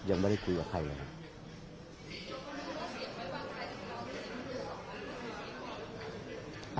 ยังไม่ได้คุยกับใครเลยครับ